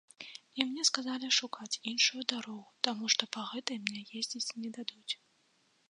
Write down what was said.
І мне сказалі шукаць іншую дарогу, таму што па гэтай мне ездзіць не дадуць.